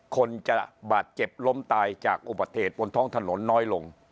คนจะบาดเจ็บล้มตายจากอุบัติเหตุบนท้องถนนน้อยลง